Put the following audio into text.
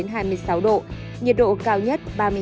nhiệt độ cao nhất hai mươi ba mươi ba độ